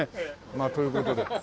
まあという事で。